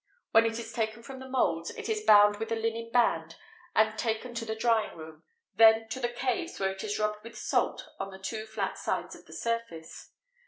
When it is taken from the moulds, it is bound with a linen band and taken to the drying room; then to the caves, where it is rubbed with salt on the two flat sides of the surface.